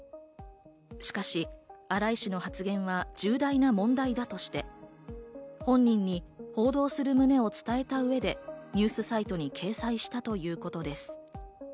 しかし荒井氏の発言は重大な問題だとして、本人に報道する旨を伝えた上でニュースサイトに掲載したということです。